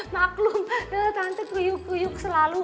maklum tante kuyuk guyuk selalu